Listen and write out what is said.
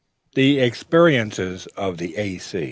THE EXPERIENCES OF THE A.